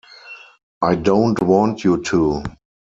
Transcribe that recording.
I don't want you to!